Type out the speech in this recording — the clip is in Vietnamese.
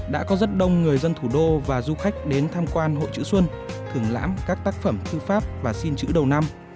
đã có rất đông người dân thủ đô và du khách đến tham quan hội chữ xuân thưởng lãm các tác phẩm thư pháp và xin chữ đầu năm